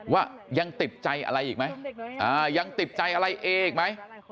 ว่ายังติดใจอะไรอีกไหมยังติดใจอะไรเออีกไหม